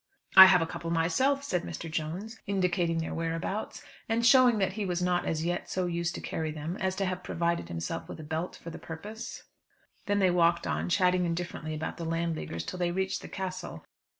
"I have a couple myself," said Mr. Jones, indicating their whereabouts, and showing that he was not as yet so used to carry them, as to have provided himself with a belt for the purpose. Then they walked on, chatting indifferently about the Landleaguers till they reached the Castle.